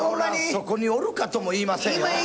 そこにあるかとも言いません。